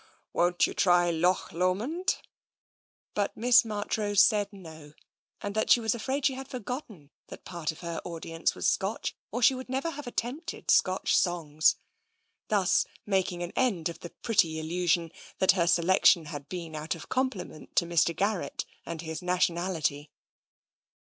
Won't you try ' Loch Lomond '?" But Miss Marchrose said no, and that she was afraid that she had forgotten that part of her audience was Scotch, or she would never have attempted Scotch songs, thus making an end of the pretty illusion that her selection had been out of compliment to Mr. Gar rett and his nationality.